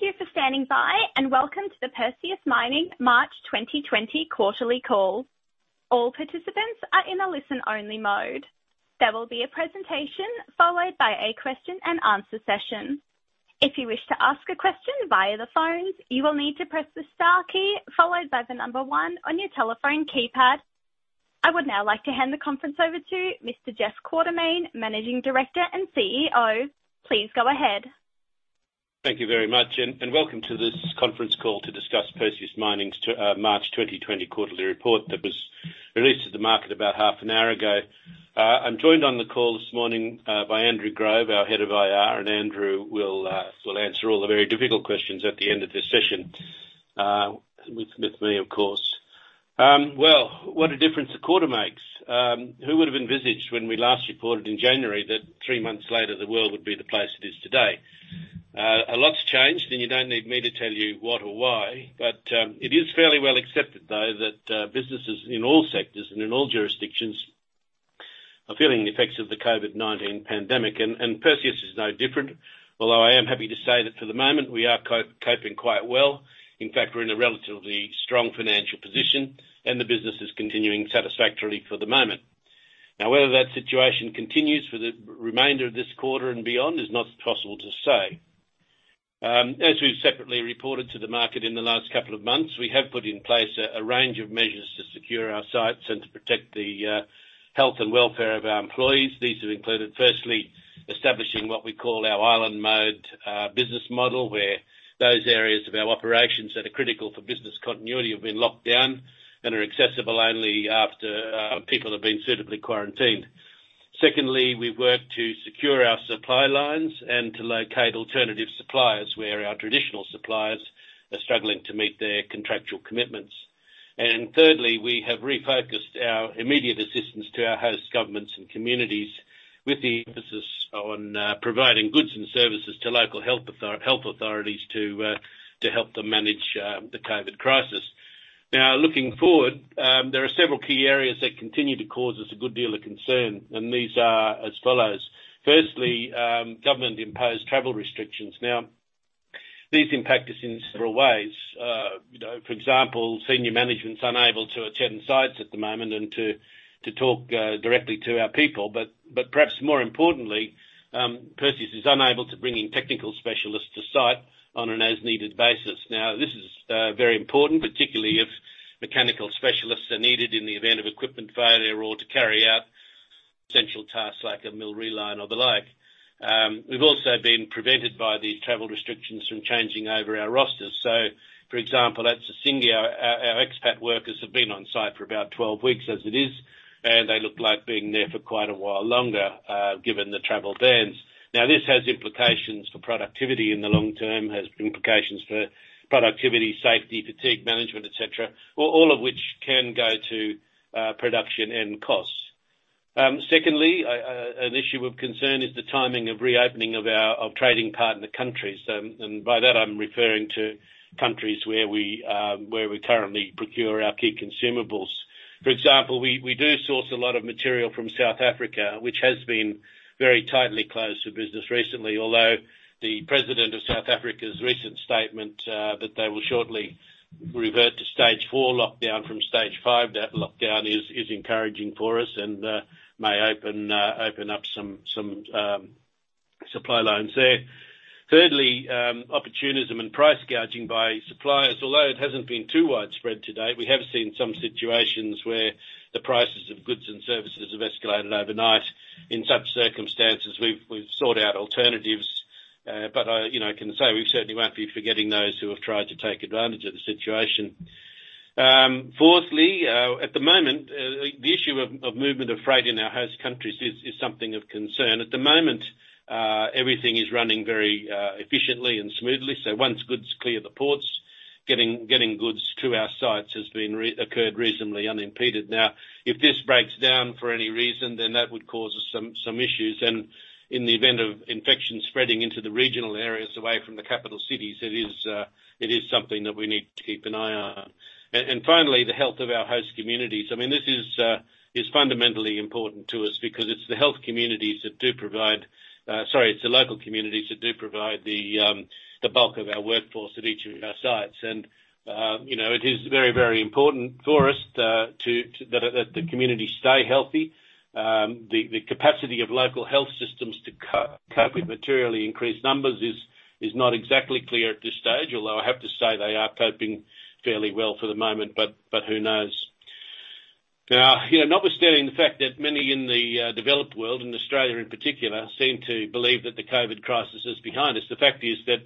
Thank you for standing by, and welcome to the Perseus Mining March 2020 quarterly call. All participants are in a listen-only mode. There will be a presentation followed by a question-and-answer session. If you wish to ask a question via the phones, you will need to press the star key followed by the number one on your telephone keypad. I would now like to hand the conference over to Mr. Jeff Quartermaine, Managing Director and CEO. Please go ahead. Thank you very much, and welcome to this conference call to discuss Perseus Mining's March 2020 Quarterly Report that was released to the market about half an hour ago. I'm joined on the call this morning by Andrew Grove, our Head of IR, and Andrew will answer all the very difficult questions at the end of this session with me, of course. What a difference a quarter makes. Who would have envisaged when we last reported in January that three months later the world would be the place it is today? A lot's changed, and you don't need me to tell you what or why, but it is fairly well accepted, though, that businesses in all sectors and in all jurisdictions are feeling the effects of the COVID-19 pandemic, and Perseus is no different, although I am happy to say that for the moment we are coping quite well. In fact, we're in a relatively strong financial position, and the business is continuing satisfactorily for the moment. Now, whether that situation continues for the remainder of this quarter and beyond is not possible to say. As we've separately reported to the market in the last couple of months, we have put in place a range of measures to secure our sites and to protect the health and welfare of our employees. These have included, firstly, establishing what we call our island mode business model, where those areas of our operations that are critical for business continuity have been locked down and are accessible only after people have been suitably quarantined. Secondly, we've worked to secure our supply lines and to locate alternative suppliers where our traditional suppliers are struggling to meet their contractual commitments. And thirdly, we have refocused our immediate assistance to our host governments and communities with the emphasis on providing goods and services to local health authorities to help them manage the COVID crisis. Now, looking forward, there are several key areas that continue to cause us a good deal of concern, and these are as follows. Firstly, government-imposed travel restrictions. Now, these impact us in several ways. For example, senior management is unable to attend sites at the moment and to talk directly to our people, but perhaps more importantly, Perseus is unable to bring in technical specialists to site on an as-needed basis. Now, this is very important, particularly if mechanical specialists are needed in the event of equipment failure or to carry out essential tasks like a mill reline or the like. We've also been prevented by these travel restrictions from changing over our rosters. So, for example, at Sissingué, our expat workers have been on site for about 12 weeks as it is, and they look like being there for quite a while longer given the travel bans. Now, this has implications for productivity in the long term, safety, fatigue management, etc., all of which can go to production and costs. Secondly, an issue of concern is the timing of reopening of our trading partner countries, and by that, I'm referring to countries where we currently procure our key consumables. For example, we do source a lot of material from South Africa, which has been very tightly closed to business recently, although the President of South Africa's recent statement that they will shortly revert to stage four lockdown from stage five lockdown is encouraging for us and may open up some supply lines there. Thirdly, opportunism and price gouging by suppliers. Although it hasn't been too widespread to date, we have seen some situations where the prices of goods and services have escalated overnight. In such circumstances, we've sought out alternatives, but I can say we certainly won't be forgetting those who have tried to take advantage of the situation. Fourthly, at the moment, the issue of movement of freight in our host countries is something of concern. At the moment, everything is running very efficiently and smoothly, so once goods clear the ports, getting goods to our sites has occurred reasonably unimpeded. Now, if this breaks down for any reason, then that would cause us some issues, and in the event of infection spreading into the regional areas away from the capital cities, it is something that we need to keep an eye on. And finally, the health of our host communities. I mean, this is fundamentally important to us because it's the health communities that do provide, sorry, it's the local communities that do provide the bulk of our workforce at each of our sites, and it is very, very important for us that the communities stay healthy. The capacity of local health systems to cope with materially increased numbers is not exactly clear at this stage, although I have to say they are coping fairly well for the moment, but who knows. Now, notwithstanding the fact that many in the developed world, in Australia in particular, seem to believe that the COVID crisis is behind us, the fact is that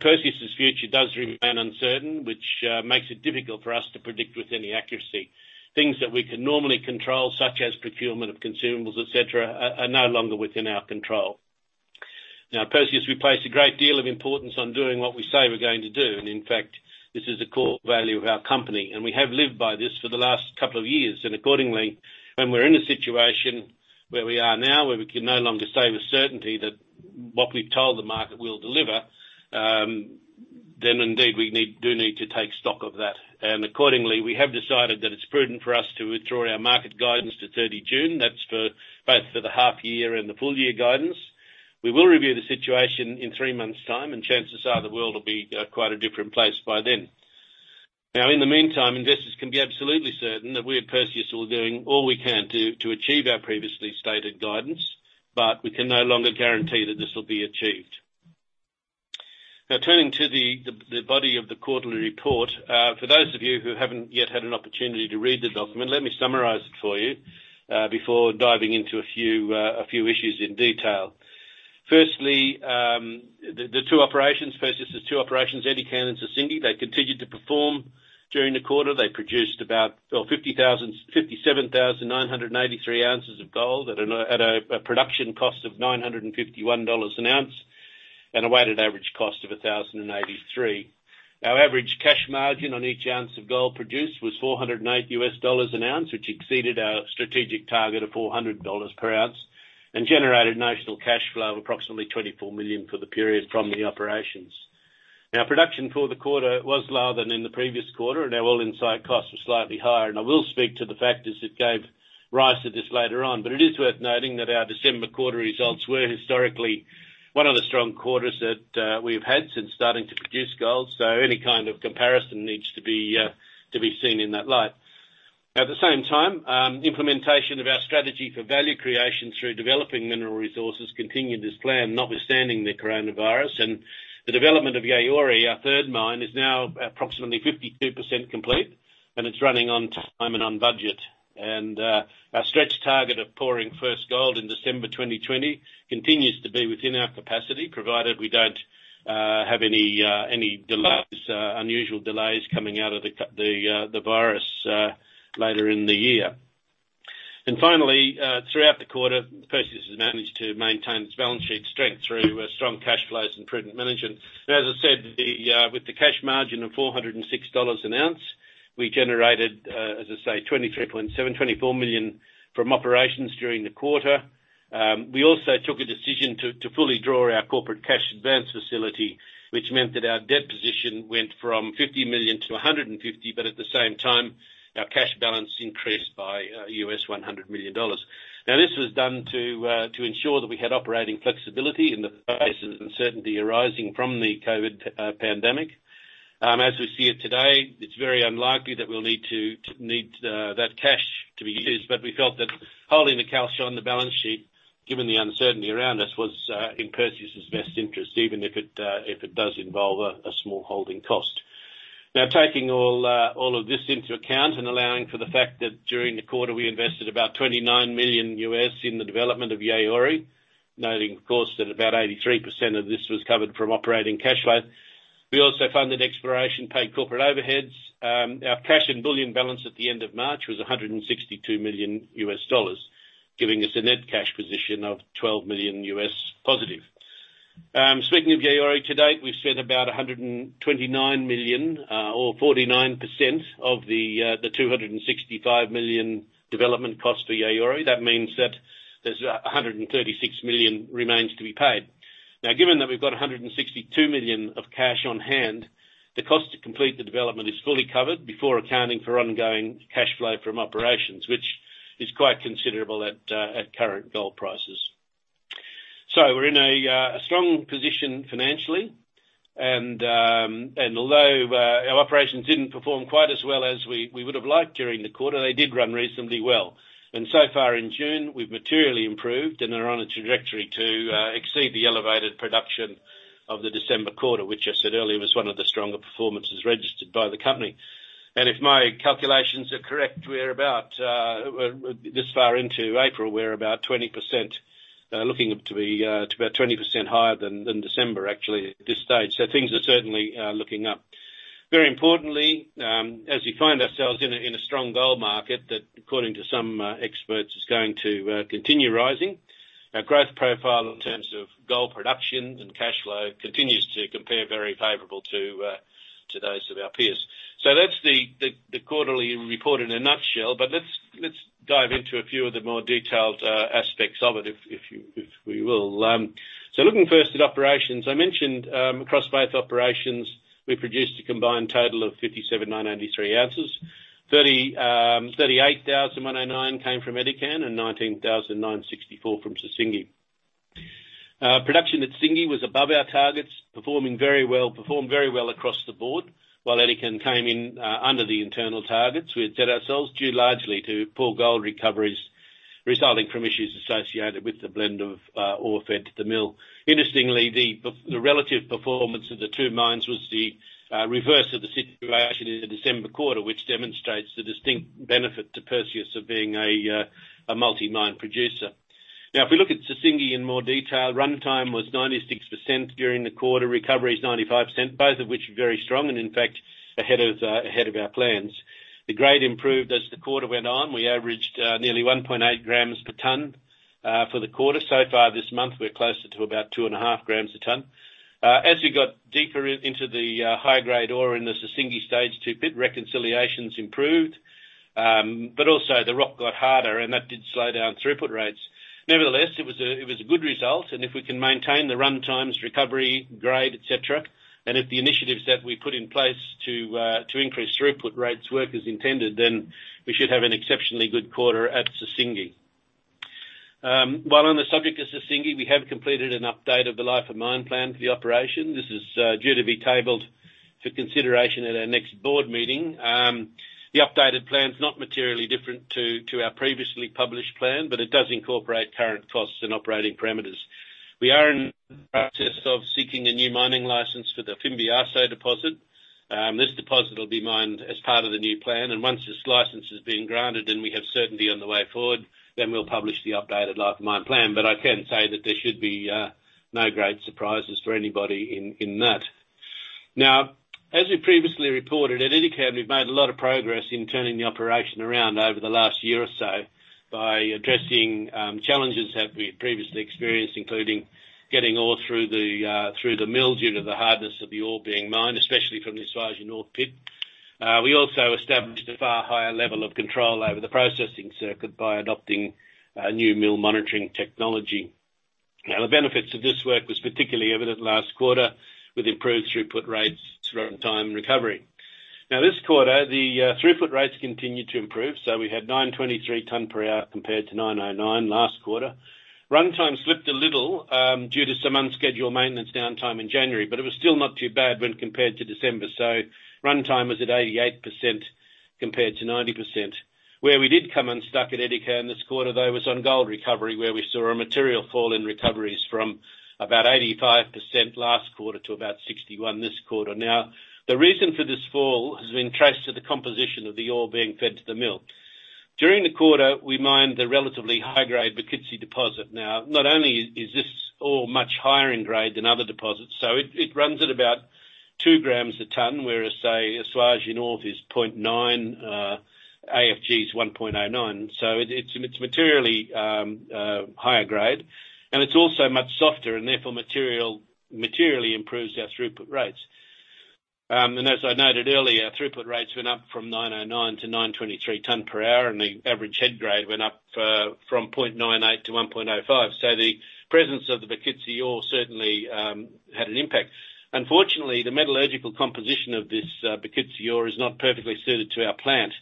Perseus' future does remain uncertain, which makes it difficult for us to predict with any accuracy. Things that we can normally control, such as procurement of consumables, etc., are no longer within our control. Now, Perseus will place a great deal of importance on doing what we say we're going to do, and in fact, this is a core value of our company, and we have lived by this for the last couple of years, and accordingly, when we're in a situation where we are now, where we can no longer say with certainty that what we've told the market will deliver, then indeed we do need to take stock of that, and accordingly, we have decided that it's prudent for us to withdraw our market guidance to 30 June. That's both for the half-year and the full-year guidance. We will review the situation in three months' time, and chances are the world will be quite a different place by then. Now, in the meantime, investors can be absolutely certain that we at Perseus will be doing all we can to achieve our previously stated guidance, but we can no longer guarantee that this will be achieved. Now, turning to the body of the quarterly report, for those of you who haven't yet had an opportunity to read the document, let me summarize it for you before diving into a few issues in detail. Firstly, the two operations, Perseus's two operations, Edikan's and Sissingué, they continued to perform during the quarter. They produced about 57,983 ounces of gold at a production cost of $951 an ounce and a weighted average cost of $1,083. Our average cash margin on each ounce of gold produced was $408 an ounce, which exceeded our strategic target of $400 per ounce and generated net cash flow of approximately $24 million for the period from the operations. Now, production for the quarter was lower than in the previous quarter, and our all-in site costs were slightly higher, and I will speak to the factors that gave rise to this later on, but it is worth noting that our December quarter results were historically one of the strong quarters that we've had since starting to produce gold, so any kind of comparison needs to be seen in that light. At the same time, implementation of our strategy for value creation through developing mineral resources continued as planned, notwithstanding the coronavirus, and the development of Yaouré, our third mine, is now approximately 52% complete, and it's running on time and on budget. And our stretch target of pouring first gold in December 2020 continues to be within our capacity, provided we don't have any unusual delays coming out of the virus later in the year. And finally, throughout the quarter, Perseus has managed to maintain its balance sheet strength through strong cash flows and prudent management. As I said, with the cash margin of $406 an ounce, we generated, as I say, $23.7-$24 million from operations during the quarter. We also took a decision to fully draw our corporate cash advance facility, which meant that our debt position went from $50 million to $150 million, but at the same time, our cash balance increased by $100 million. Now, this was done to ensure that we had operating flexibility in the face of uncertainty arising from the COVID pandemic. As we see it today, it's very unlikely that we'll need that cash to be used, but we felt that holding the cash on the balance sheet, given the uncertainty around us, was in Perseus's best interest, even if it does involve a small holding cost. Now, taking all of this into account and allowing for the fact that during the quarter we invested about $29 million in the development of Yaouré, noting, of course, that about 83% of this was covered from operating cash flow, we also funded exploration, paid corporate overheads. Our cash and bullion balance at the end of March was $162 million US dollars, giving us a net cash position of $12 million US positive. Speaking of Yaouré, to date, we've spent about $129 million, or 49% of the $265 million development cost for Yaouré. That means that there's $136 million remains to be paid. Now, given that we've got $162 million of cash on hand, the cost to complete the development is fully covered before accounting for ongoing cash flow from operations, which is quite considerable at current gold prices. So we're in a strong position financially, and although our operations didn't perform quite as well as we would have liked during the quarter, they did run reasonably well. And so far in June, we've materially improved and are on a trajectory to exceed the elevated production of the December quarter, which, as I said earlier, was one of the stronger performances registered by the company. And if my calculations are correct, we're about this far into April. We're about 20% looking to be about 20% higher than December, actually, at this stage. So things are certainly looking up. Very importantly, as we find ourselves in a strong gold market that, according to some experts, is going to continue rising, our growth profile in terms of gold production and cash flow continues to compare very favorable to those of our peers. So that's the quarterly report in a nutshell, but let's dive into a few of the more detailed aspects of it, if we will. So looking first at operations, I mentioned across both operations, we produced a combined total of 57,983 ounces. 38,109 came from Edikan and 19,964 from Sissingué. Production at Sissingué was above our targets, performing very well across the board, while Edikan came in under the internal targets. We had set ourselves due largely to poor gold recoveries resulting from issues associated with the blend of ore fed to the mill. Interestingly, the relative performance of the two mines was the reverse of the situation in the December quarter, which demonstrates the distinct benefit to Perseus of being a multi-mine producer. Now, if we look at Sissingué in more detail, runtime was 96% during the quarter, recoveries 95%, both of which are very strong and, in fact, ahead of our plans. The grade improved as the quarter went on. We averaged nearly 1.8 grams per ton for the quarter. So far this month, we're closer to about 2.5 grams a ton. As we got deeper into the high-grade ore in the Sissingué Stage 2 pit, reconciliations improved, but also the rock got harder, and that did slow down throughput rates. Nevertheless, it was a good result, and if we can maintain the runtimes, recovery, grade, etc., and if the initiatives that we put in place to increase throughput rates work as intended, then we should have an exceptionally good quarter at Sissingué. While on the subject of Sissingué, we have completed an update of the life of mine plan for the operation. This is due to be tabled for consideration at our next board meeting. The updated plan's not materially different to our previously published plan, but it does incorporate current costs and operating parameters. We are in the process of seeking a new mining license for the Fimbiasso deposit. This deposit will be mined as part of the new plan, and once this license has been granted and we have certainty on the way forward, then we'll publish the updated Life of Mine plan, but I can say that there should be no great surprises for anybody in that. Now, as we previously reported, at Edikan, we've made a lot of progress in turning the operation around over the last year or so by addressing challenges that we had previously experienced, including getting ore through the mill due to the hardness of the ore being mined, especially from the Esuajah ore pit. We also established a far higher level of control over the processing circuit by adopting new mill monitoring technology. Now, the benefits of this work were particularly evident last quarter with improved throughput rates, runtime, and recovery. Now, this quarter, the throughput rates continued to improve, so we had 923 tons per hour compared to 909 last quarter. Runtime slipped a little due to some unscheduled maintenance downtime in January, but it was still not too bad when compared to December, so runtime was at 88% compared to 90%. Where we did come unstuck at Edikan this quarter, though, was on gold recovery, where we saw a material fall in recoveries from about 85% last quarter to about 61% this quarter. Now, the reason for this fall has been traced to the composition of the ore being fed to the mill. During the quarter, we mined the relatively high-grade Bokitsi deposit. Now, not only is this ore much higher in grade than other deposits, so it runs at about two grams a ton, whereas, say, Esuajah ore is 0.9, AFG is 1.09, so it's materially higher grade, and it's also much softer and therefore materially improves our throughput rates. And as I noted earlier, throughput rates went up from 909 to 923 tons per hour, and the average head grade went up from 0.98 to 1.05, so the presence of the Bokitsi ore certainly had an impact. Unfortunately, the metallurgical composition of this Bokitsi ore is not perfectly suited to our plant,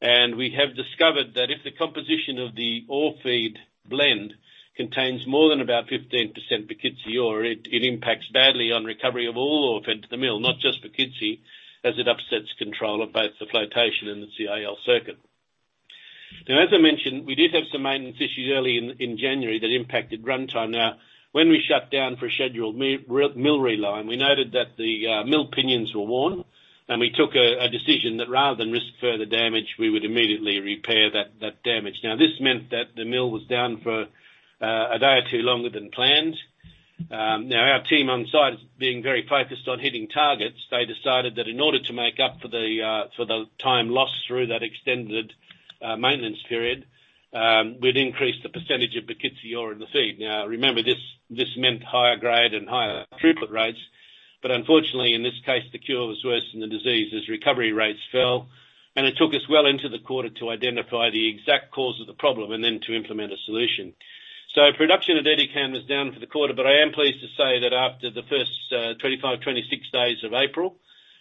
and we have discovered that if the composition of the ore feed blend contains more than about 15% Bokitsi ore, it impacts badly on recovery of all ore fed to the mill, not just Bokitsi, as it upsets control of both the flotation and the CIL circuit. Now, as I mentioned, we did have some maintenance issues early in January that impacted runtime. Now, when we shut down for a scheduled mill reline, we noted that the mill pinions were worn, and we took a decision that rather than risk further damage, we would immediately repair that damage. Now, this meant that the mill was down for a day or two longer than planned. Now, our team on site has been very focused on hitting targets. They decided that in order to make up for the time lost through that extended maintenance period, we'd increase the percentage of Bokitsi ore in the feed. Now, remember, this meant higher grade and higher throughput rates, but unfortunately, in this case, the cure was worse than the disease as recovery rates fell, and it took us well into the quarter to identify the exact cause of the problem and then to implement a solution. So production at Edikan was down for the quarter, but I am pleased to say that after the first 25, 26 days of April,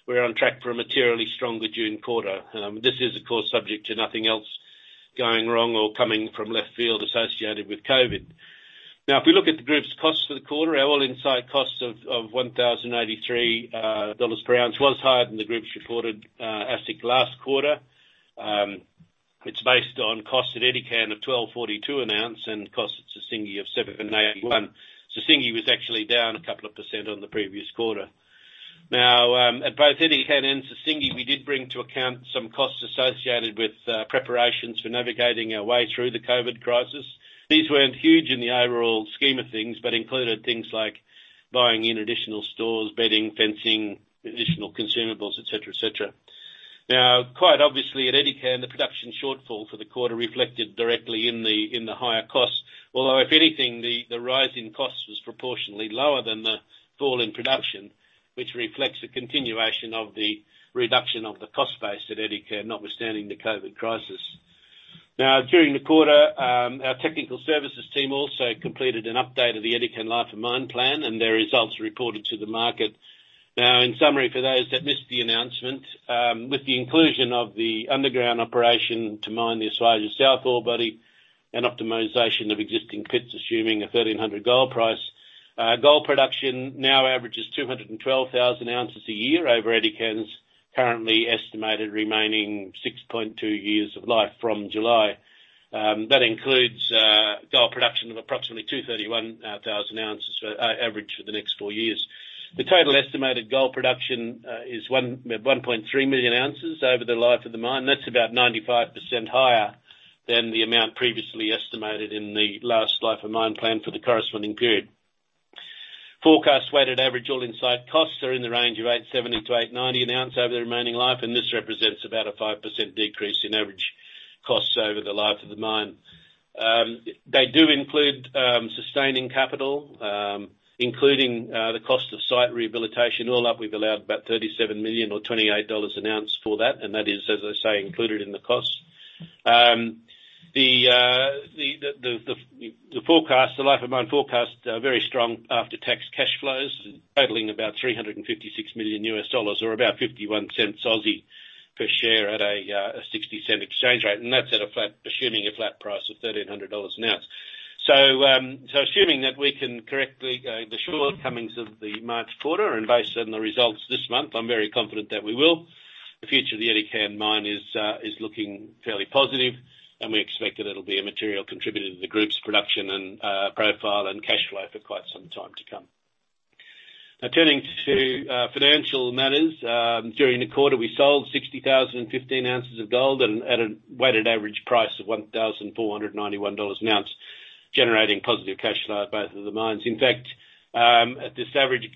we're on track for a materially stronger June quarter. This is, of course, subject to nothing else going wrong or coming from left field associated with COVID. Now, if we look at the group's cost for the quarter, our all-in site cost of $1,083 per ounce was higher than the group's reported AISC last quarter. It's based on cost at Edikan of $1,242 an ounce and cost at Sissingué of $781. So Sissingué was actually down a couple of percent on the previous quarter. Now, at both Edikan and Sissingué, we did bring to account some costs associated with preparations for navigating our way through the COVID crisis. These weren't huge in the overall scheme of things, but included things like buying in additional stores, bedding, fencing, additional consumables, etc., etc. Now, quite obviously, at Edikan, the production shortfall for the quarter reflected directly in the higher costs, although, if anything, the rise in costs was proportionally lower than the fall in production, which reflects a continuation of the reduction of the cost base at Edikan, notwithstanding the COVID crisis. Now, during the quarter, our technical services team also completed an update of the Edikan Life of Mine plan, and their results were reported to the market. Now, in summary, for those that missed the announcement, with the inclusion of the underground operation to mine the Esuajah South ore body and optimization of existing pits, assuming a $1,300 gold price, gold production now averages 212,000 ounces a year over Edikan's currently estimated remaining 6.2 years of life from July. That includes gold production of approximately 231,000 ounces average for the next four years. The total estimated gold production is 1.3 million ounces over the life of the mine. That's about 95% higher than the amount previously estimated in the last life of mine plan for the corresponding period. Forecast weighted average all-in site costs are in the range of $870-$890 an ounce over the remaining life, and this represents about a 5% decrease in average costs over the life of the mine. They do include sustaining capital, including the cost of site rehabilitation. All up, we've allowed about $37 million or $28 an ounce for that, and that is, as I say, included in the cost. The Life of Mine forecasts are very strong after-tax cash flows, totaling about $356 million or about 0.51 per share at a 60-cent exchange rate, and that's assuming a flat price of $1,300 an ounce. So assuming that we can correct the shortcomings of the March quarter and based on the results this month, I'm very confident that we will. The future of the Edikan mine is looking fairly positive, and we expect that it'll be a material contributor to the group's production and profile and cash flow for quite some time to come. Now, turning to financial matters, during the quarter, we sold 60,015 ounces of gold at a weighted average price of $1,491 an ounce, generating positive cash flow at both of the mines. In fact, at this average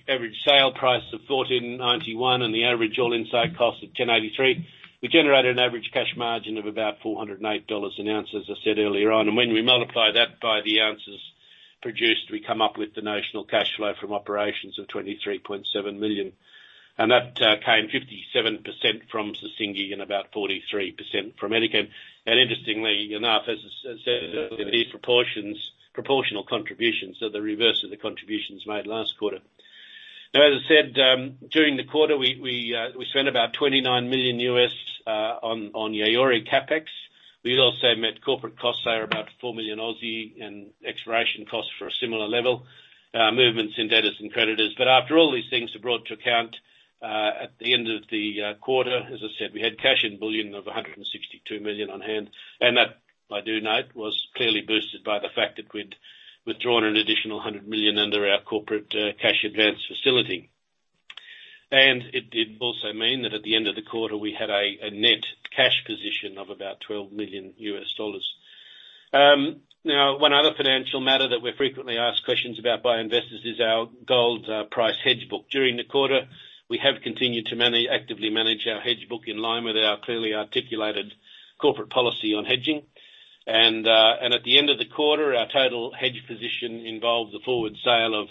sale price of $1,491 and the average all-in site cost of $1,083, we generated an average cash margin of about $408 an ounce, as I said earlier on. When we multiply that by the ounces produced, we come up with the net cash flow from operations of $23.7 million, and that came 57% from Sissingué and about 43% from Edikan. Interestingly enough, as I said, these proportional contributions are the reverse of the contributions made last quarter. Now, as I said, during the quarter, we spent about $29 million on Yaouré CapEx. We also met corporate costs there about 4 million and exploration costs for a similar level, movements in debtors and creditors. But after all these things are brought to account at the end of the quarter, as I said, we had cash balance of $162 million on hand, and that, I do note, was clearly boosted by the fact that we'd withdrawn an additional $100 million under our corporate cash advance facility. It did also mean that at the end of the quarter, we had a net cash position of about $12 million. Now, one other financial matter that we're frequently asked questions about by investors is our gold price hedge book. During the quarter, we have continued to actively manage our hedge book in line with our clearly articulated corporate policy on hedging. And at the end of the quarter, our total hedge position involved the forward sale of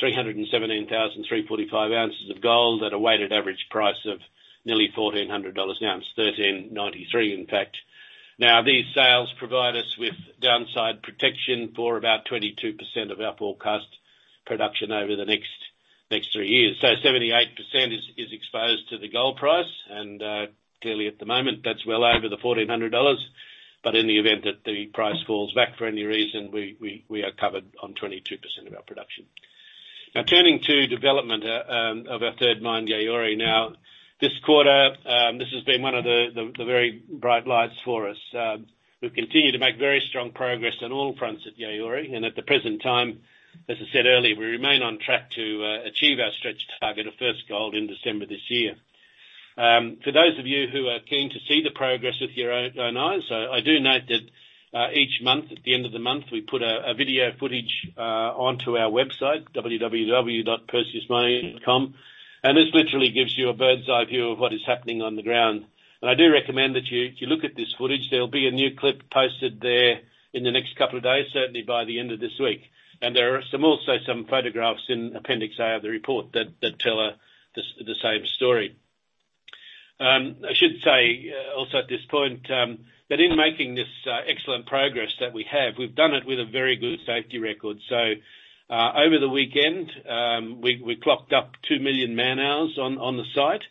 317,345 ounces of gold at a weighted average price of nearly $1,400 an ounce, $1,393 in fact. Now, these sales provide us with downside protection for about 22% of our forecast production over the next three years. 78% is exposed to the gold price, and clearly at the moment, that's well over the $1,400. But in the event that the price falls back for any reason, we are covered on 22% of our production. Now, turning to development of our third mine, Yaouré. Now, this quarter, this has been one of the very bright lights for us. We've continued to make very strong progress on all fronts at Yaouré, and at the present time, as I said earlier, we remain on track to achieve our stretch target of first gold in December this year. For those of you who are keen to see the progress with your own eyes, I do note that each month, at the end of the month, we put a video footage onto our website, www.perseusmining.com, and this literally gives you a bird's-eye view of what is happening on the ground, and I do recommend that you look at this footage. There'll be a new clip posted there in the next couple of days, certainly by the end of this week. And there are also some photographs in appendix A of the report that tell the same story. I should say also at this point that in making this excellent progress that we have, we've done it with a very good safety record. So over the weekend, we clocked up two million man-hours on the site,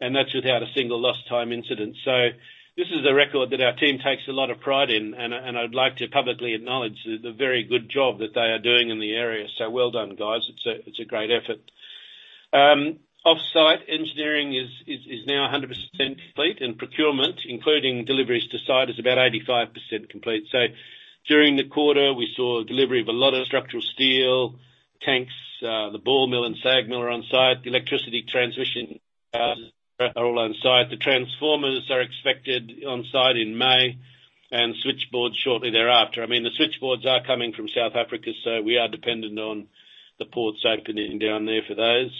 and that's without a single lost-time incident. So this is a record that our team takes a lot of pride in, and I'd like to publicly acknowledge the very good job that they are doing in the area. So well done, guys. It's a great effort. Off-site engineering is now 100% complete, and procurement, including deliveries to site, is about 85% complete. So during the quarter, we saw delivery of a lot of structural steel, tanks, the ball mill and SAG mill are on site. The electrical transmission are all on site. The transformers are expected on site in May and switchboards shortly thereafter. I mean, the switchboards are coming from South Africa, so we are dependent on the ports opening down there for those.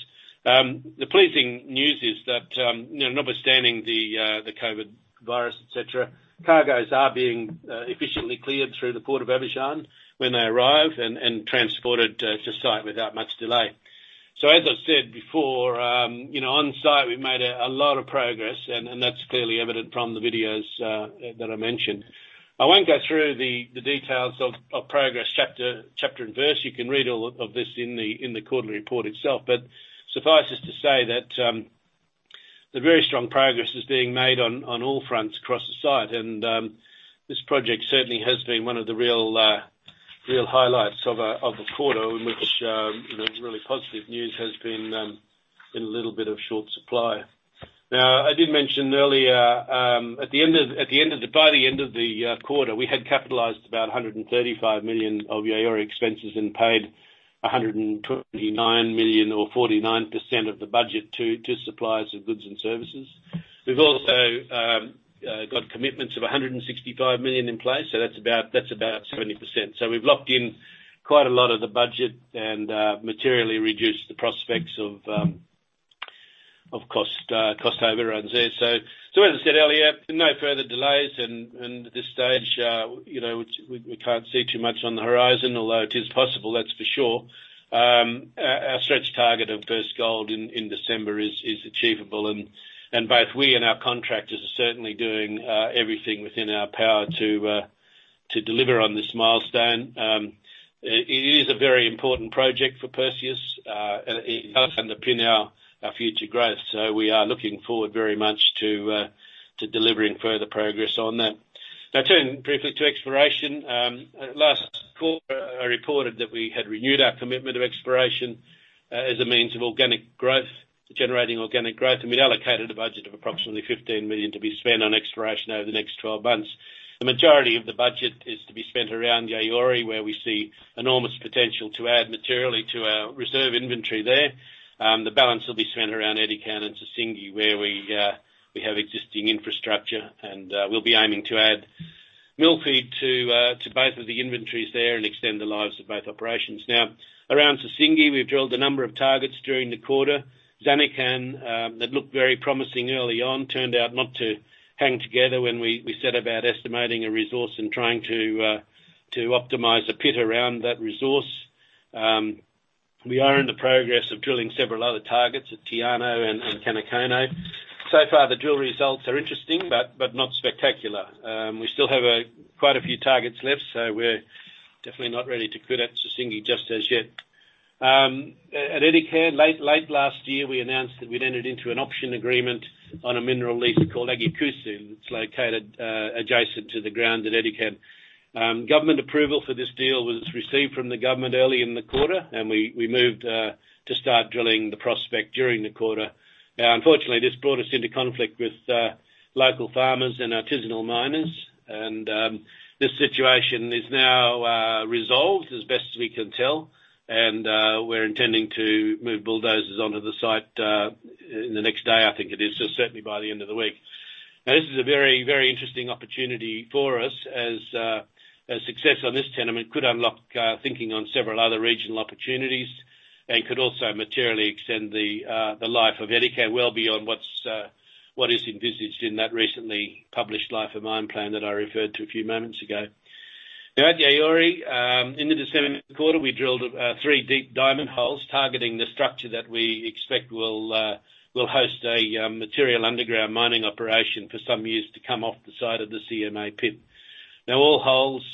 The pleasing news is that, notwithstanding the COVID virus, etc., cargoes are being efficiently cleared through the Port of Abidjan when they arrive and transported to site without much delay. So as I've said before, on-site, we've made a lot of progress, and that's clearly evident from the videos that I mentioned. I won't go through the details of progress chapter and verse. You can read all of this in the quarterly report itself, but suffice it to say that the very strong progress is being made on all fronts across the site, and this project certainly has been one of the real highlights of the quarter, in which really positive news has been in a little bit of short supply. Now, I did mention earlier, at the end of the quarter, we had capitalized about $135 million of Yaouré expenses and paid $129 million or 49% of the budget to suppliers of goods and services. We've also got commitments of $165 million in place, so that's about 70%. So we've locked in quite a lot of the budget and materially reduced the prospects of cost overruns there. So as I said earlier, no further delays, and at this stage, we can't see too much on the horizon, although it is possible, that's for sure. Our stretch target of first gold in December is achievable, and both we and our contractors are certainly doing everything within our power to deliver on this milestone. It is a very important project for Perseus and underpin our future growth, so we are looking forward very much to delivering further progress on that. Now, turning briefly to exploration, last quarter, I reported that we had renewed our commitment of exploration as a means of organic growth, generating organic growth, and we'd allocated a budget of approximately $15 million to be spent on exploration over the next 12 months. The majority of the budget is to be spent around Yaouré, where we see enormous potential to add materially to our reserve inventory there. The balance will be spent around Edikan and Sissingué, where we have existing infrastructure, and we'll be aiming to add mill feed to both of the inventories there and extend the lives of both operations. Now, around Sissingué, we've drilled a number of targets during the quarter. Zanikan, that looked very promising early on, turned out not to hang together when we set about estimating a resource and trying to optimize a pit around that resource. We are in the progress of drilling several other targets at Tiano and Kanakono. So far, the drill results are interesting but not spectacular. We still have quite a few targets left, so we're definitely not ready to quit at Sissingué just as yet. At Edikan, late last year, we announced that we'd entered into an option agreement on a mineral lease called Agyakusu, and it's located adjacent to the ground at Edikan. Government approval for this deal was received from the government early in the quarter, and we moved to start drilling the prospect during the quarter. Now, unfortunately, this brought us into conflict with local farmers and artisanal miners, and this situation is now resolved as best as we can tell, and we're intending to move bulldozers onto the site in the next day, I think it is, so certainly by the end of the week. Now, this is a very, very interesting opportunity for us, as success on this tenement could unlock thinking on several other regional opportunities and could also materially extend the life of Edikan well beyond what is envisaged in that recently published Life of Mine plan that I referred to a few moments ago. Now, at Yaouré, in the December quarter, we drilled three deep diamond holes targeting the structure that we expect will host a material underground mining operation for some years to come off the site of the CMA pit. Now, all holes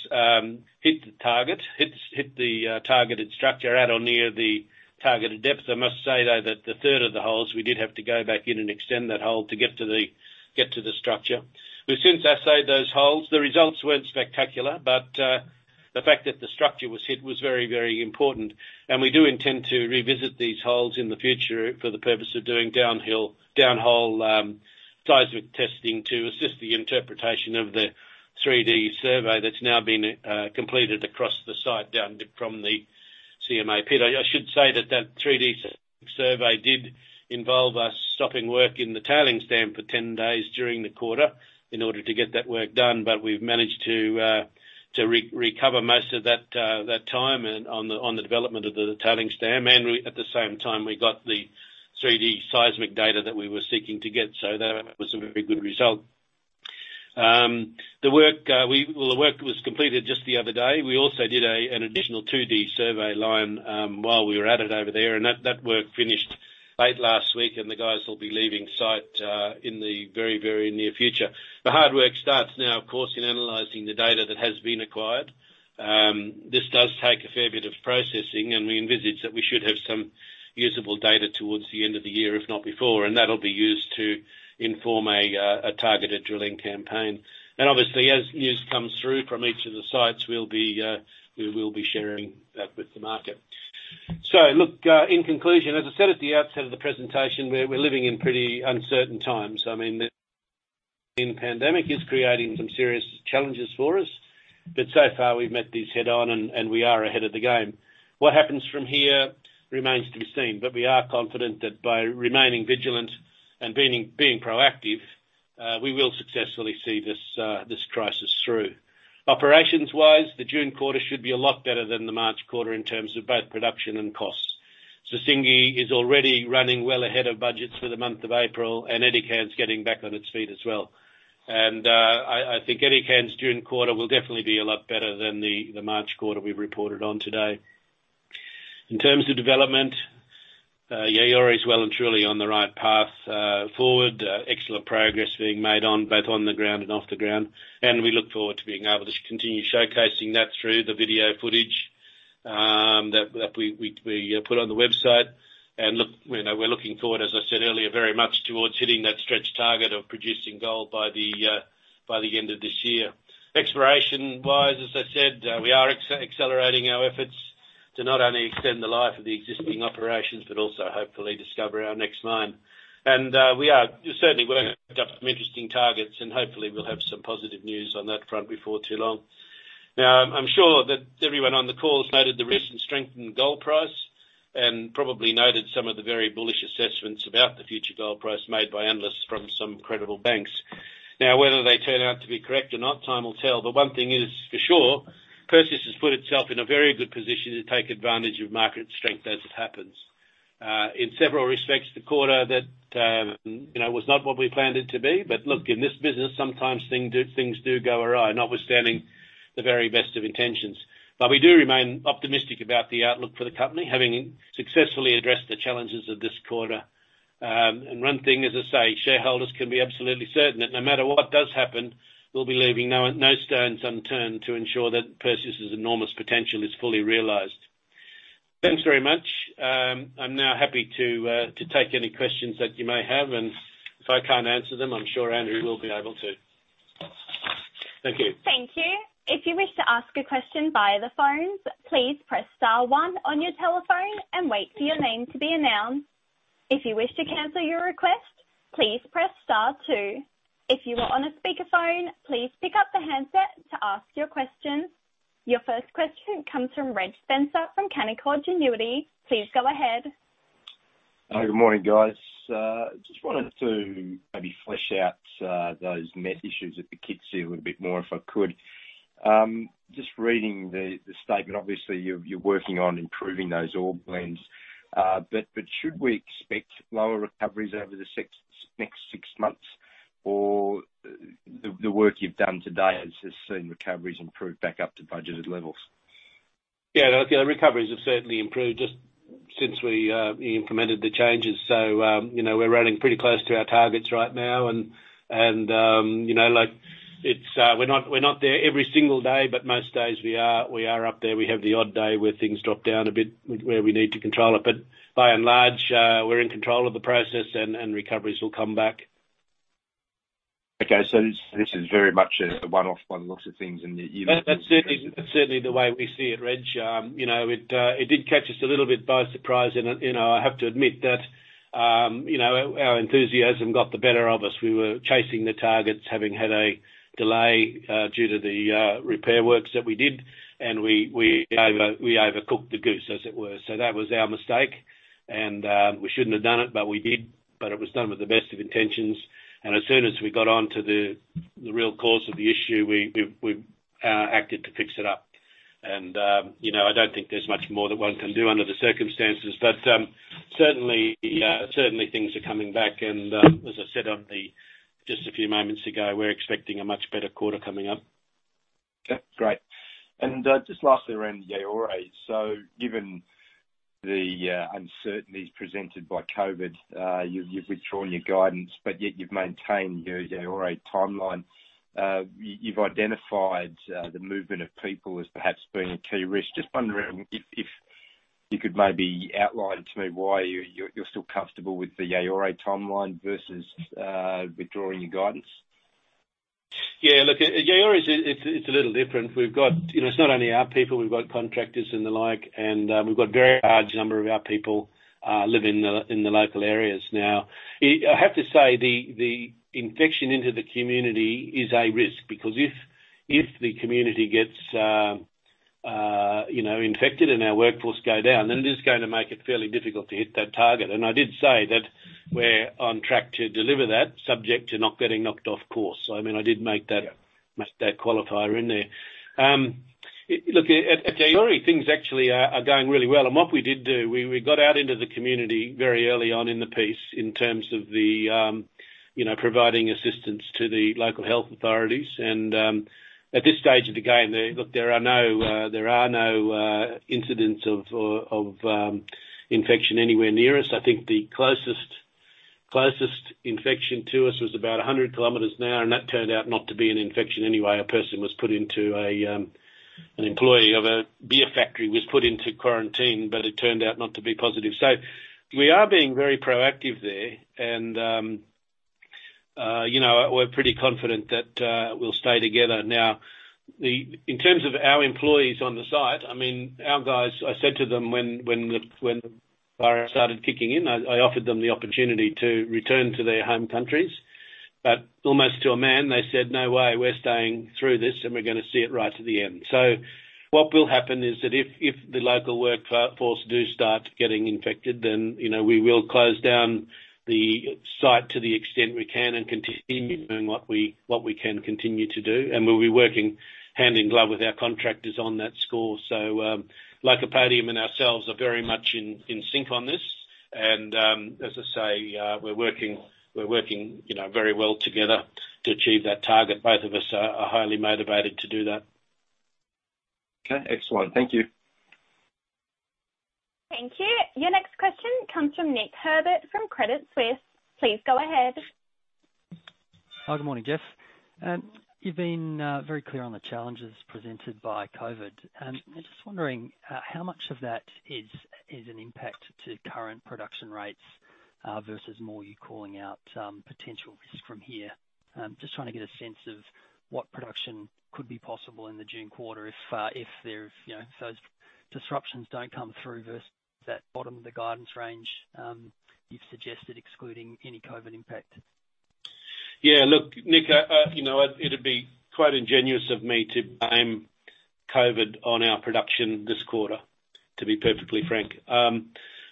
hit the target, hit the targeted structure at or near the targeted depth. I must say, though, that the third of the holes, we did have to go back in and extend that hole to get to the structure. We've since assayed those holes. The results weren't spectacular, but the fact that the structure was hit was very, very important, and we do intend to revisit these holes in the future for the purpose of doing downhole seismic testing to assist the interpretation of the 3D survey that's now been completed across the site down from the CMA pit. I should say that that 3D survey did involve us stopping work in the tailings stand for 10 days during the quarter in order to get that work done, but we've managed to recover most of that time on the development of the tailings stand, and at the same time, we got the 3D seismic data that we were seeking to get, so that was a very good result. The work was completed just the other day. We also did an additional 2D survey line while we were at it over there, and that work finished late last week, and the guys will be leaving site in the very, very near future. The hard work starts now, of course, in analyzing the data that has been acquired. This does take a fair bit of processing, and we envisage that we should have some usable data towards the end of the year, if not before, and that'll be used to inform a targeted drilling campaign. And obviously, as news comes through from each of the sites, we will be sharing that with the market. So look, in conclusion, as I said at the outset of the presentation, we're living in pretty uncertain times. I mean, the pandemic is creating some serious challenges for us, but so far, we've met these head-on, and we are ahead of the game. What happens from here remains to be seen, but we are confident that by remaining vigilant and being proactive, we will successfully see this crisis through. Operations-wise, the June quarter should be a lot better than the March quarter in terms of both production and costs. Sissingué is already running well ahead of budgets for the month of April, and Edikan's getting back on its feet as well. And I think Edikan's June quarter will definitely be a lot better than the March quarter we've reported on today. In terms of development, Yaouré is well and truly on the right path forward. Excellent progress being made both on the ground and off the ground, and we look forward to being able to continue showcasing that through the video footage that we put on the website. And we're looking forward, as I said earlier, very much towards hitting that stretch target of producing gold by the end of this year. Exploration-wise, as I said, we are accelerating our efforts to not only extend the life of the existing operations but also, hopefully, discover our next mine. And we are certainly working up some interesting targets, and hopefully, we'll have some positive news on that front before too long. Now, I'm sure that everyone on the call has noted the recent strength in gold price and probably noted some of the very bullish assessments about the future gold price made by analysts from some credible banks. Now, whether they turn out to be correct or not, time will tell, but one thing is for sure, Perseus has put itself in a very good position to take advantage of market strength as it happens. In several respects, the quarter that was not what we planned it to be, but look, in this business, sometimes things do go awry, notwithstanding the very best of intentions. But we do remain optimistic about the outlook for the company, having successfully addressed the challenges of this quarter. And one thing, as I say, shareholders can be absolutely certain that no matter what does happen, we'll be leaving no stones unturned to ensure that Perseus's enormous potential is fully realized. Thanks very much. I'm now happy to take any questions that you may have, and if I can't answer them, I'm sure Andrew will be able to. Thank you. Thank you. If you wish to ask a question via the phone, please press Star 1 on your telephone and wait for your name to be announced. If you wish to cancel your request, please press Star 2. If you are on a speakerphone, please pick up the handset to ask your question. Your first question comes from Reg Spencer from Canaccord Genuity. Please go ahead. Hi, good morning, guys. Just wanted to maybe flesh out those issues at the Edikan a little bit more if I could. Just reading the statement, obviously, you're working on improving those ore blends, but should we expect lower recoveries over the next six months, or the work you've done to date has seen recoveries improve back up to budgeted levels? Yeah, the recoveries have certainly improved just since we implemented the changes. So we're running pretty close to our targets right now, and we're not there every single day, but most days we are up there. We have the odd day where things drop down a bit where we need to control it, but by and large, we're in control of the process, and recoveries will come back. Okay, so this is very much a one-off on lots of things, and you've. Certainly—that's certainly the way we see it, Reg. It did catch us a little bit by surprise, and I have to admit that our enthusiasm got the better of us. We were chasing the targets, having had a delay due to the repair works that we did, and we overcooked the goose, as it were. So that was our mistake, and we shouldn't have done it, but we did, but it was done with the best of intentions. And as soon as we got on to the real cause of the issue, we acted to fix it up. I don't think there's much more that one can do under the circumstances, but certainly, things are coming back. As I said just a few moments ago, we're expecting a much better quarter coming up. Okay, great. Just lastly, around Yaouré, so given the uncertainties presented by COVID, you've withdrawn your guidance, but yet you've maintained your Yaouré timeline. You've identified the movement of people as perhaps being a key risk. Just wondering if you could maybe outline to me why you're still comfortable with the Yaouré timeline versus withdrawing your guidance. Yeah, look, Yaouré is a little different. It's not only our people. We've got contractors and the like, and we've got a very large number of our people living in the local areas now. I have to say the infection into the community is a risk because if the community gets infected and our workforce goes down, then it is going to make it fairly difficult to hit that target. I did say that we're on track to deliver that, subject to not getting knocked off course. I mean, I did make that qualifier in there. Look, at Yaouré, things actually are going really well. What we did do, we got out into the community very early on in the piece in terms of providing assistance to the local health authorities. At this stage of the game, look, there are no incidents of infection anywhere near us. I think the closest infection to us was about 100 kilometers away, and that turned out not to be an infection anyway. An employee of a beer factory was put into quarantine, but it turned out not to be positive. So we are being very proactive there, and we're pretty confident that we'll stay together. Now, in terms of our employees on the site, I mean, our guys, I said to them when the virus started kicking in, I offered them the opportunity to return to their home countries, but almost to a man, they said, "No way. We're staying through this, and we're going to see it right to the end." So what will happen is that if the local workforce do start getting infected, then we will close down the site to the extent we can and continue doing what we can continue to do, and we'll be working hand in glove with our contractors on that score. So Lycopodium and ourselves are very much in sync on this, and as I say, we're working very well together to achieve that target. Both of us are highly motivated to do that. Okay, excellent. Thank you. Thank you. Your next question comes from Nick Herbert from Credit Suisse. Please go ahead. Hi, good morning, Jeff. You've been very clear on the challenges presented by COVID. I'm just wondering how much of that is an impact to current production rates versus more you calling out potential risk from here. Just trying to get a sense of what production could be possible in the June quarter if those disruptions don't come through versus that bottom of the guidance range you've suggested excluding any COVID impact. Yeah, look, Nick, it'd be quite ingenious of me to blame COVID on our production this quarter, to be perfectly frank.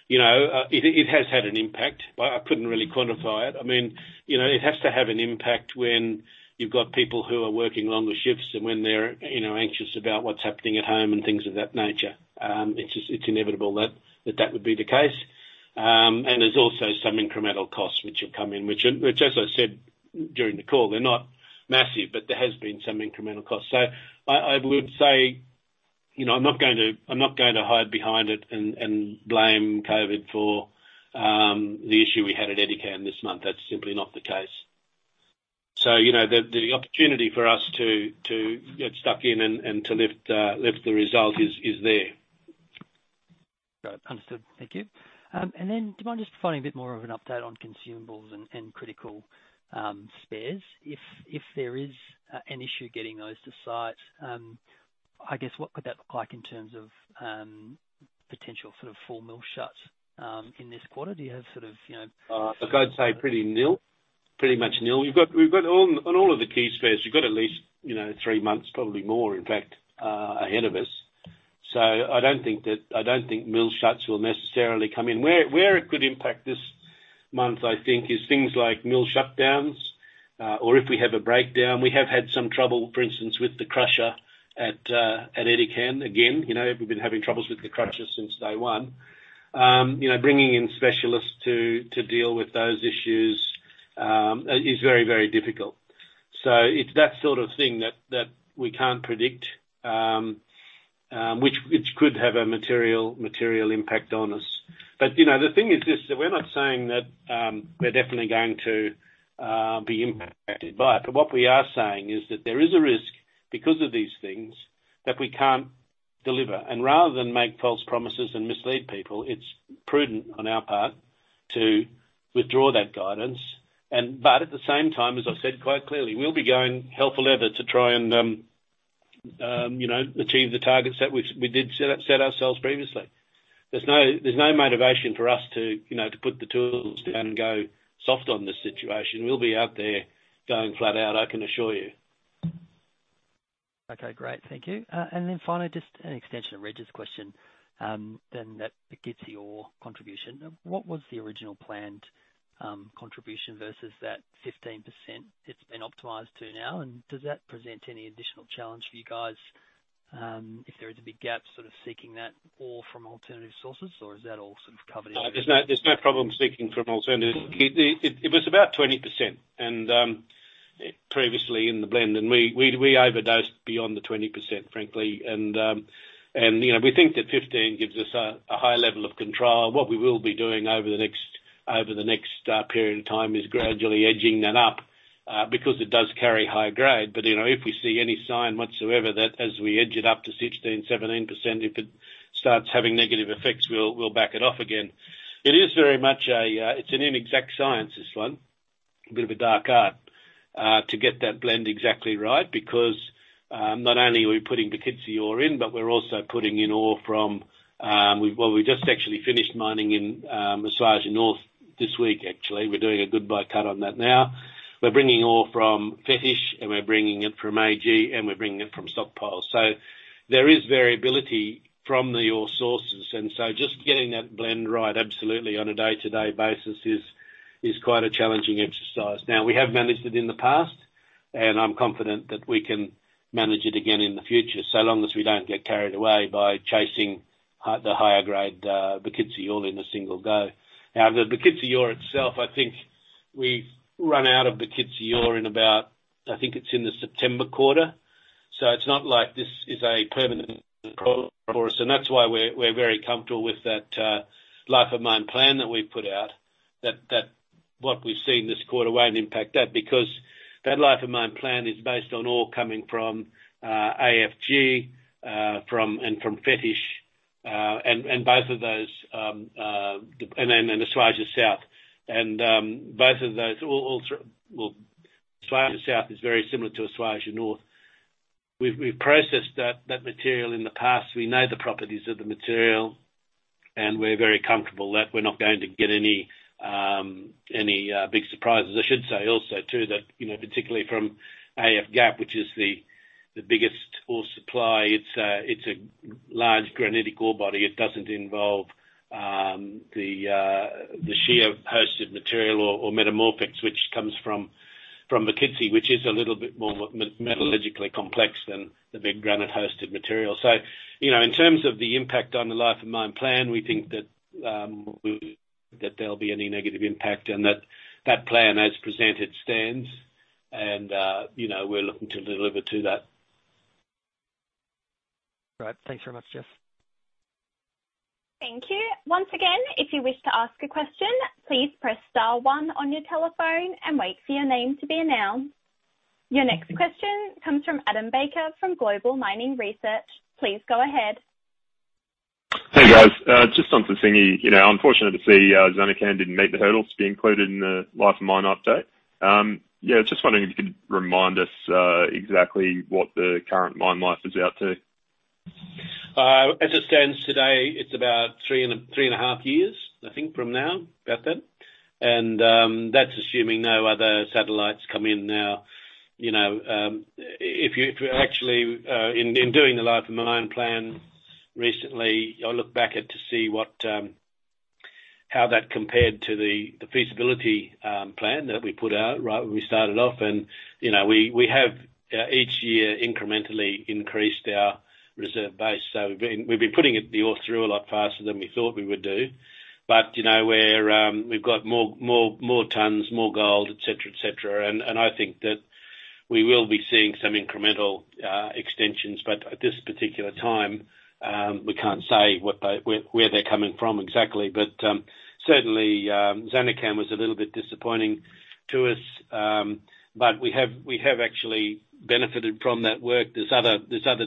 It has had an impact. I couldn't really quantify it. I mean, it has to have an impact when you've got people who are working longer shifts and when they're anxious about what's happening at home and things of that nature. It's inevitable that that would be the case. And there's also some incremental costs which have come in, which, as I said during the call, they're not massive, but there has been some incremental costs. So I would say I'm not going to hide behind it and blame COVID for the issue we had at Edikan this month. That's simply not the case. So the opportunity for us to get stuck in and to lift the result is there. Got it. Understood. Thank you. And then do you mind just providing a bit more of an update on consumables and critical spares? If there is an issue getting those to site, I guess, what could that look like in terms of potential sort of full mill shuts in this quarter? Look, I'd say pretty nil. Pretty much nil. On all of the key spares, you've got at least three months, probably more, in fact, ahead of us. So I don't think that. I don't think mill shuts will necessarily come in. Where it could impact this month, I think, is things like mill shutdowns or if we have a breakdown. We have had some trouble, for instance, with the crusher at Edikan again. We've been having troubles with the crusher since day one. Bringing in specialists to deal with those issues is very, very difficult. So it's that sort of thing that we can't predict, which could have a material impact on us. But the thing is this: we're not saying that we're definitely going to be impacted by it, but what we are saying is that there is a risk because of these things that we can't deliver. And rather than make false promises and mislead people, it's prudent on our part to withdraw that guidance. But at the same time, as I said quite clearly, we'll be going hell for leather to try and achieve the targets that we did set ourselves previously. There's no motivation for us to put the tools down and go soft on this situation. We'll be out there going flat out, I can assure you. Okay, great. Thank you. And then finally, just an extension of Reg's question then that gets your contribution. What was the original planned contribution versus that 15%? It's been optimized to now, and does that present any additional challenge for you guys if there is a big gap sort of seeking that or from alternative sources, or is that all sort of covered in? There's no problem seeking from alternative. It was about 20%, and previously in the blend, and we overdosed beyond the 20%, frankly. And we think that 15% gives us a high level of control. What we will be doing over the next period of time is gradually edging that up because it does carry high grade. But if we see any sign whatsoever that as we edge it up to 16%, 17%, if it starts having negative effects, we'll back it off again. It is very much a, it's an inexact science, this one, a bit of a dark art, to get that blend exactly right because not only are we putting Bokitsi ore in, but we're also putting in ore from, well, we just actually finished mining in Esuajah North this week, actually. We're doing a goodbye cut on that now. We're bringing ore from Fetish, and we're bringing it from AG, and we're bringing it from stockpile. So there is variability from the ore sources, and so just getting that blend right, absolutely, on a day-to-day basis is quite a challenging exercise. Now, we have managed it in the past, and I'm confident that we can manage it again in the future so long as we don't get carried away by chasing the higher grade Bokitsi ore in a single go. Now, the Bokitsi ore itself, I think we've run out of Bokitsi ore in about. I think it's in the September quarter. So it's not like this is a permanent problem for us, and that's why we're very comfortable with that life of mine plan that we've put out, that what we've seen this quarter won't impact that because that life of mine plan is based on ore coming from AFG and from Fetish and both of those and then Esuajah South. And both of those, well, Esuajah South is very similar to Esuajah North. We've processed that material in the past. We know the properties of the material, and we're very comfortable that we're not going to get any big surprises. I should say also too that particularly from AF Gap, which is the biggest ore supply, it's a large granite ore body. It doesn't involve the shear-hosted material or metamorphics, which comes from Bokitsi, which is a little bit more metallurgically complex than the big granite-hosted material. So in terms of the impact on the Life of Mine plan, we think that there'll be no negative impact and that that plan, as presented, stands, and we're looking to deliver to that. All right. Thanks very much, Jeff. Thank you. Once again, if you wish to ask a question, please press star one on your telephone and wait for your name to be announced. Your next question comes from Adam Baker from Global Mining Research. Please go ahead. Hey, guys. Just wanted to thank you—I'm fortunate to see Zanikan didn't meet the hurdles to be included in the life of mine update. Yeah, just wondering if you could remind us exactly what the current mine life is out to. As it stands today, it's about three and a half years, I think, from now, about that. And that's assuming no other satellites come in now. Actually, in doing the life of mine plan recently, I looked back to see how that compared to the feasibility plan that we put out right when we started off. And we have each year incrementally increased our reserve base. So we've been putting the ore through a lot faster than we thought we would do. But we've got more tons, more gold, etc., etc. And I think that we will be seeing some incremental extensions, but at this particular time, we can't say where they're coming from exactly. But certainly, Zanikan was a little bit disappointing to us, but we have actually benefited from that work. There's other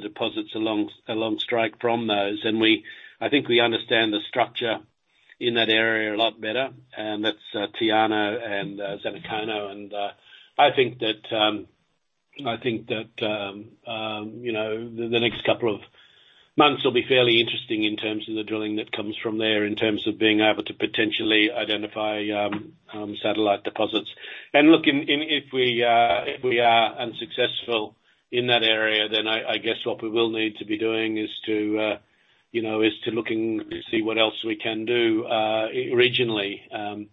deposits along strike from those, and I think we understand the structure in that area a lot better. And that's Tiano and Zanikan. And I think the next couple of months will be fairly interesting in terms of the drilling that comes from there in terms of being able to potentially identify satellite deposits. And look, if we are unsuccessful in that area, then I guess what we will need to be doing is to look and see what else we can do regionally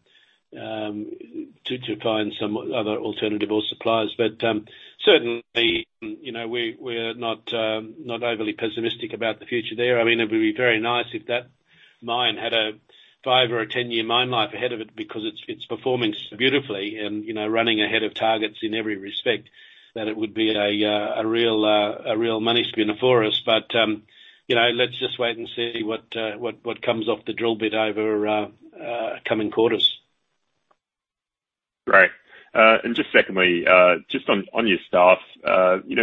to find some other alternative or suppliers. But certainly, we're not overly pessimistic about the future there. I mean, it would be very nice if that mine had a five- or a 10-year mine life ahead of it because it's performing so beautifully and running ahead of targets in every respect that it would be a real money spinner for us. But let's just wait and see what comes off the drill bit over coming quarters. Right. And just secondly, just on your staff,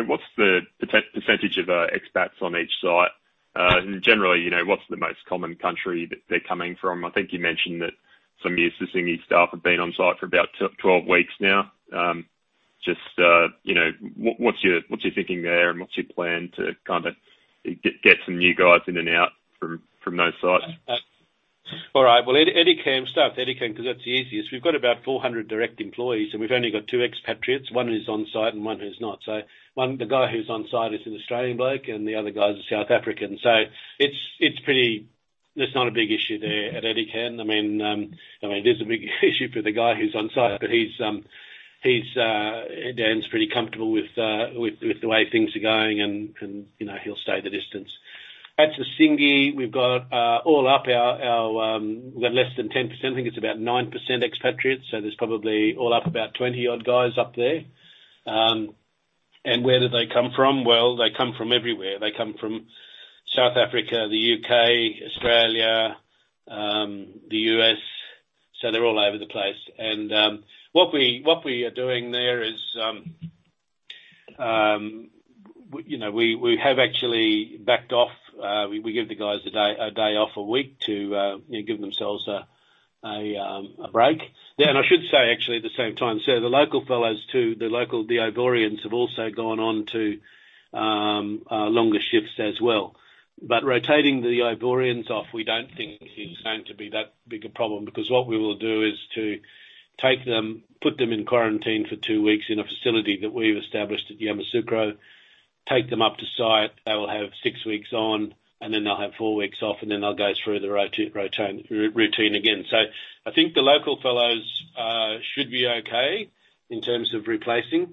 what's the percentage of expats on each site? And generally, what's the most common country that they're coming from? I think you mentioned that some years the senior staff have been on site for about 12 weeks now. Just what's your thinking there and what's your plan to kind of get some new guys in and out from those sites? All right. Well, Edikan, start with Edikan because that's the easiest. We've got about 400 direct employees, and we've only got two expatriates. One is on site and one who's not. So the guy who's on site is an Australian bloke, and the other guy's a South African. So it's pretty. There's not a big issue there at Edikan. I mean, it is a big issue for the guy who's on site, but he's pretty comfortable with the way things are going, and he'll stay the distance. At the Sissingué, we've got all up less than 10%. I think it's about 9% expatriates. So there's probably all up about 20-odd guys up there. And where do they come from? Well, they come from everywhere. They come from South Africa, the U.K., Australia, the U.S. So they're all over the place. And what we are doing there is we have actually backed off. We give the guys a day off a week to give themselves a break. And I should say, actually, at the same time, so the local fellows too, the local Ivorians have also gone on to longer shifts as well. But rotating the Ivorians off, we don't think is going to be that big a problem because what we will do is to take them, put them in quarantine for two weeks in a facility that we've established at Yamoussoukro, take them up to site. They will have six weeks on, and then they'll have four weeks off, and then they'll go through the routine again. So I think the local fellows should be okay in terms of replacing.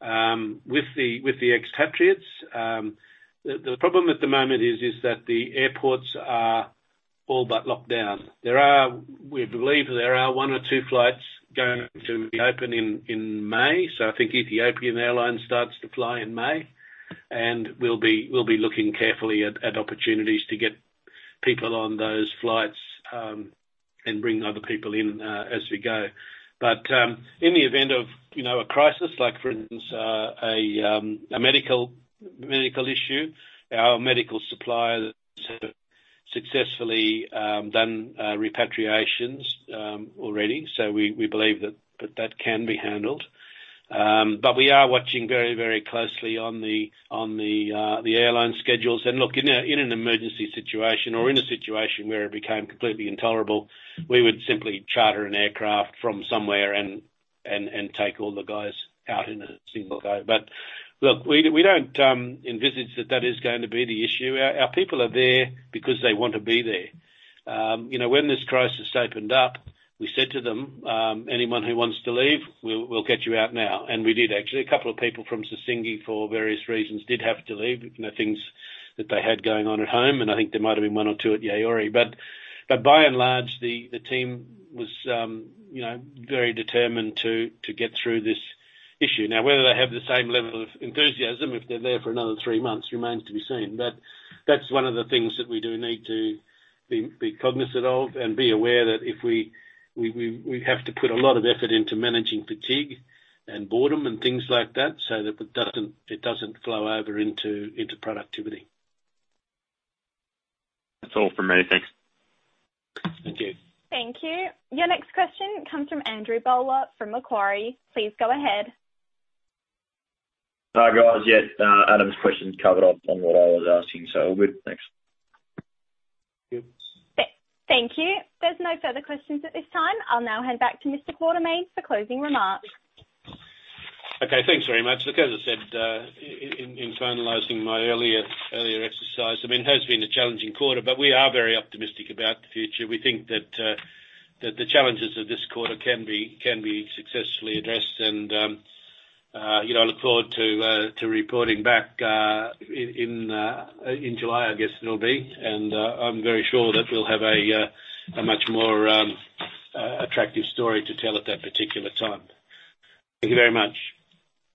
With the expatriates, the problem at the moment is that the airports are all but locked down. We believe there are one or two flights going to be open in May, so I think Ethiopian Airlines starts to fly in May, and we'll be looking carefully at opportunities to get people on those flights and bring other people in as we go. But in the event of a crisis, like for instance, a medical issue, our medical suppliers have successfully done repatriations already, so we believe that that can be handled. But we are watching very, very closely on the airline schedules, and look, in an emergency situation or in a situation where it became completely intolerable, we would simply charter an aircraft from somewhere and take all the guys out in a single go. But look, we don't envisage that that is going to be the issue. Our people are there because they want to be there. When this crisis opened up, we said to them, "Anyone who wants to leave, we'll get you out now." And we did, actually. A couple of people from Sissingué, for various reasons, did have to leave things that they had going on at home. And I think there might have been one or two at Yaouré. But by and large, the team was very determined to get through this issue. Now, whether they have the same level of enthusiasm if they're there for another three months remains to be seen. But that's one of the things that we do need to be cognizant of and be aware that if we have to put a lot of effort into managing fatigue and boredom and things like that so that it doesn't flow over into productivity. That's all from me. Thanks. Thank you. Thank you. Your next question comes from Andrew Bowler from Macquarie. Please go ahead. Hi, guys. Yeah, Adam's question covered up on what I was asking, so we're good. Thanks. Good. Thank you. There's no further questions at this time. I'll now hand back to Mr. Quartermaine for closing remarks. Okay. Thanks very much. Like I said, in finalizing my earlier exercise, I mean, it has been a challenging quarter, but we are very optimistic about the future. We think that the challenges of this quarter can be successfully addressed. And I look forward to reporting back in July, I guess it'll be. And I'm very sure that we'll have a much more attractive story to tell at that particular time. Thank you very much.